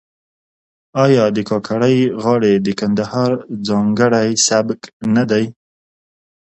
آیا د کاکړۍ غاړې د کندهار ځانګړی سبک نه دی؟